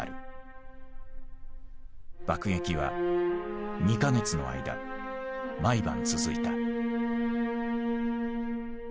爆撃は２か月の間毎晩続いた。